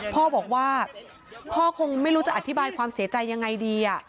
พ่อบอกว่าพ่อคงไม่รู้จะอธิบายความเสียใจยังไงดี